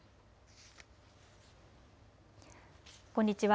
こんにちは。